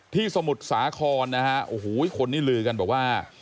สมุทรสาครนะฮะโอ้โหคนนี้ลือกันบอกว่า